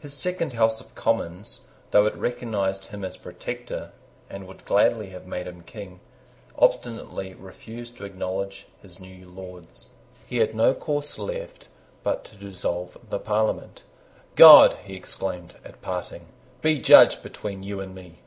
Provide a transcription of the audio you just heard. His second House of Commons, though it recognised him as Protector, and would gladly have made him King, obstinately refused to acknowledge his new Lords. He had no course left but to dissolve the Parliament. "God," he exclaimed, at parting, "be judge between you and me!"